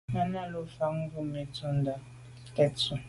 Náná lù fá càŋ Númí tɔ̌ tûɁndá ŋkɔ̀k tə̀tswə́Ɂ.